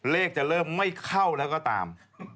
จะเริ่มไม่เข้าแล้วก็ตาม